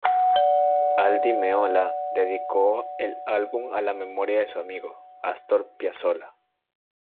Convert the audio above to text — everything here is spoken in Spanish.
Al Di Meola dedicó el álbum a la memoria de su amigo, Astor Piazzolla.